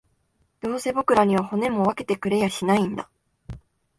どうせ僕らには、骨も分けてくれやしないんだ